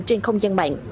trên không gian mạng